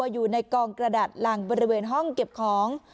อยู่ในกองกระดาษรังบริเวณห้องเก็บของ